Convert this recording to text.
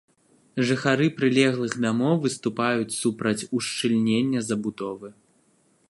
Жыхары прылеглых дамоў выступаюць супраць ушчыльнення забудовы.